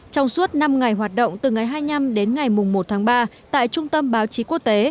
trong suốt năm ngày hoạt động từ ngày hai mươi năm đến ngày một tháng ba tại trung tâm báo chí quốc tế